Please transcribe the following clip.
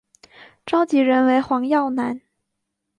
召集人为黄耀南。